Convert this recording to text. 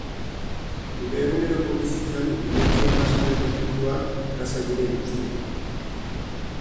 Gure eguneroko bizitzan, inertzia-masaren efektuak errazak dira ikusten.